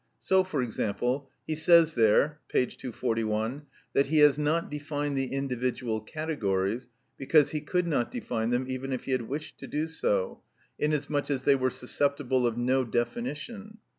So, for example, he says there (p. 241) that he has not defined the individual categories, because he could not define them even if he had wished to do so, inasmuch as they were susceptible of no definition.